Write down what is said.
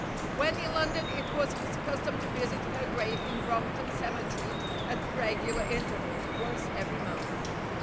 When in London it was his custom to visit her grave in Brompton cemetery at regular intervals, once every month.